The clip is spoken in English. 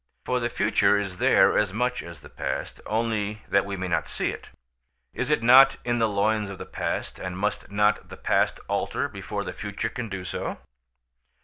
For the future is there as much as the past, only that we may not see it. Is it not in the loins of the past, and must not the past alter before the future can do so?